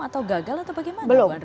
selama ini kan sudah terjadi atau belum